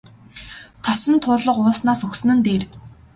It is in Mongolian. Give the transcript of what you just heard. Тосон туулга ууснаас үхсэн нь дээр.